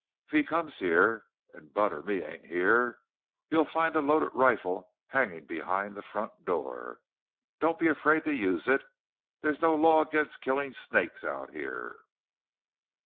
If he comes here, and Bud or me ain't here, you'll find a loaded rifle hanging behind the front door. Don't be afraid to use it—there's no law against killing snakes out here!"